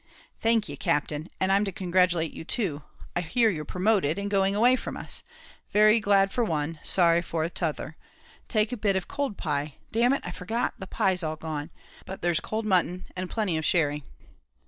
"Thank ye, Captain; and I'm to congratulate you too. I hear you're promoted, and going away from us very glad for one, sorry for t'other. Take a bit of cold pie; d n it, I forgot the pie's all gone, but there's cold mutton and plenty of sherry.